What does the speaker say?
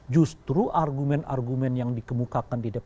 justru argumen argumen yang dikemukakan di dpr